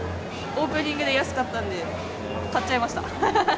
オープニングで安かったんで、買っちゃいました。